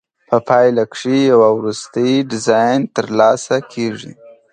په پایله کې یو وروستی ډیزاین ترلاسه کیږي.